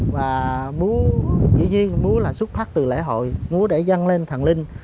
và múa dĩ nhiên múa là xuất phát từ lễ hội múa để dân lên thần linh